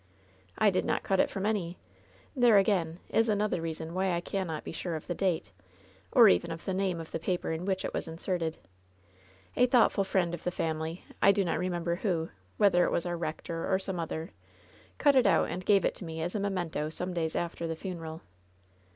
"I did not cut it from any. There, again, is another reason why I cannot be sure of the date, or even of the name of the paper in which it was inserted. A thought ful friend of the family — ^I do not remember who, whether it was our rector or some other — cut it out and gave it to me as a memento some days after the funeral.